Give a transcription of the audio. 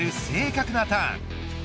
正確なターン。